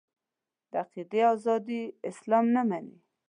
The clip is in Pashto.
د عقیدې ازادي اسلام نه مني.